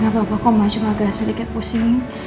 gapapa aku maju agak sedikit pusing